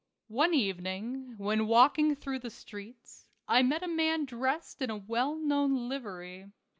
One evening when walking through the streets, I met a man dressed in a well known livery.